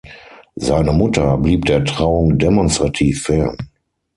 Seine Mutter blieb der Trauung demonstrativ fern.